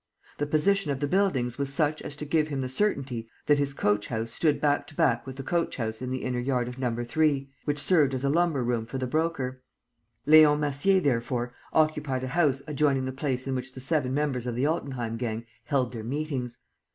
The position of the buildings was such as to give him the certainty that his coach house stood back to back with the coach house in the inner yard of No. 3, which served as a lumber room for the Broker. Leon Massier, therefore, occupied a house adjoining the place in which the seven members of the Altenheim gang held their meetings.